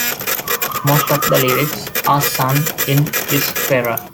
Most of the lyrics are sung in euskera.